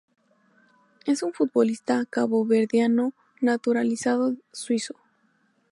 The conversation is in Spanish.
Es un futbolista caboverdiano naturalizado suizo.